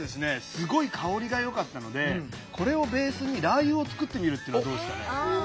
すごい香りがよかったのでこれをベースにラー油を作ってみるっていうのはどうですかね？